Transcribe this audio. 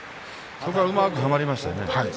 それがうまくはまりましたね。